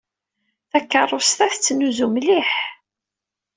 Takeṛṛust-a tettnuzu mliḥ.